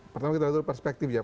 pertama kita tahu perspektif ya